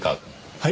はい。